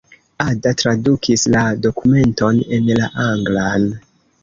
Ada tradukis la dokumenton en la anglan.